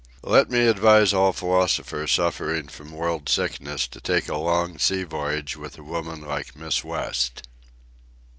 Let me advise all philosophers suffering from world sickness to take a long sea voyage with a woman like Miss West.